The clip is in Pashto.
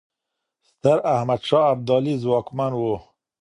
ستراحمدشاه ابدالي ځواکمن و.